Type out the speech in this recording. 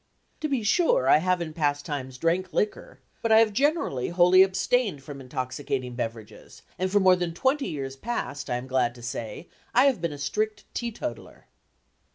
To be sure, I have in times past drank liquor, but I have generally wholly abstained from intoxicating beverages, and for more than twenty years past, I am glad to say, I have been a strict "teetotaller."